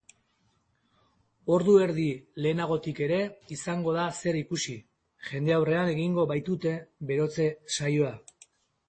Ordu edi lehenagotik ere izango da zer ikusi, jendaurrean egingo baitute berotze-saioa.